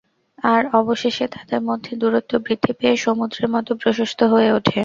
আর অবশেষে, তাদের মধ্যে দূরত্ব বৃদ্ধি পেয়ে সমুদ্রের মতো প্রশস্ত হয়ে ওঠে।